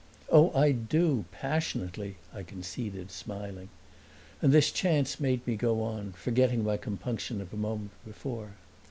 "Oh, I do, passionately!" I conceded, smiling. And this chance made me go on, forgetting my compunction of a moment before.